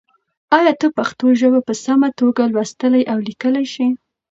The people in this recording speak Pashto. ایا ته پښتو ژبه په سمه توګه لوستلی او لیکلی شې؟